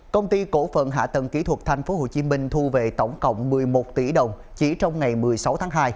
công ty cổ phận hạ tầng kỹ thuật tp hcm thu về tổng cộng một mươi một tỷ đồng chỉ trong ngày một mươi sáu tháng hai